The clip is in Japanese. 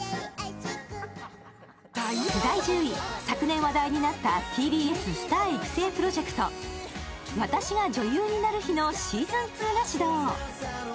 昨年話題になったＴＢＳスター育成プロジェクト、『私が女優になる日＿』のシーズン２が始動。